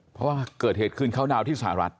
เพราะว่าเกิดเหตุคืนเขาดาวที่สหรัฐ